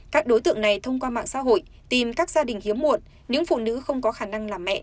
các đối tượng này thông qua mạng xã hội tìm các gia đình hiếm muộn những phụ nữ không có khả năng làm mẹ